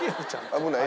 危ない。